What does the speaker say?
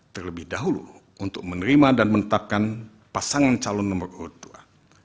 terlebih dahulu untuk menerima dan menetapkan pasangan calon nomor urut dua